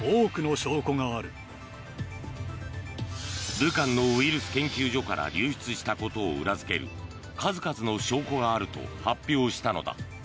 武漢のウイルス研究所から流出したことを裏付ける数々の証拠があると発表したのだ。